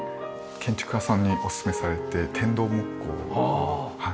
建築家さんにおすすめされて天童木工。